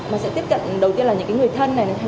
mà sẽ tiếp cận đầu tiên là những người thân này này